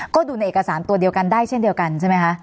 ก็ดูในเอกสารตัวเดียวกันได้เช่นเดียวกันใช่ไหมคะ